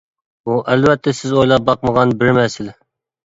بۇ ئەلۋەتتە سىز ئويلاپ باقمىغان بىر مەسىلە.